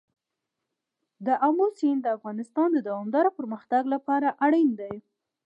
آمو سیند د افغانستان د دوامداره پرمختګ لپاره اړین دي.